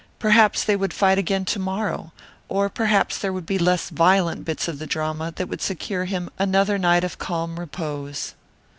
Perhaps they would fight again to morrow, or perhaps there would be less violent bits of the drama that would secure him another night of calm repose.